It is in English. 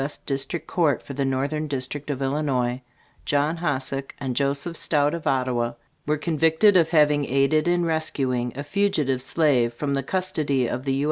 S. District Court for the Northern District of Illinois, JOHN HOSSACK and JOSEPH STOUT, of Ottawa, were convicted of having aided in rescuing a fugitive slave from the custody of the U.